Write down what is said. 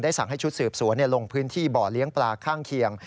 สั่งให้ชุดสืบสวนลงพื้นที่บ่อเลี้ยงปลาข้างเคียง